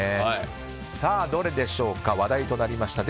どれでしょうか話題となりました。